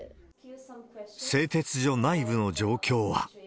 製鉄所内部の状況は。